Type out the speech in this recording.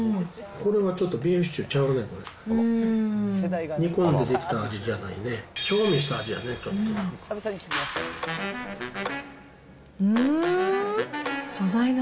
これはちょっとビーフシチューちゃうな。